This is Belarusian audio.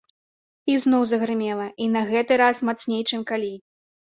Ізноў загрымела, і на гэты раз мацней, чым калі.